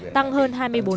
tăng hơn hai mươi bốn